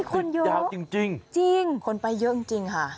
เฮ้ยติดยาวจริงคนไปเยอะจริงค่ะ